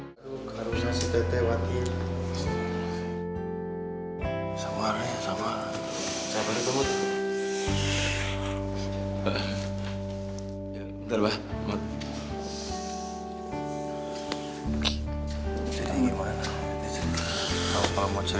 sampai jumpa di video selanjutnya